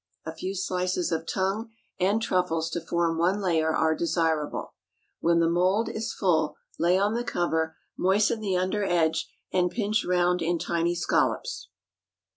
A few slices of tongue and truffles to form one layer are desirable. When the mould is full, lay on the cover, moisten the under edge, and pinch round in tiny scallops.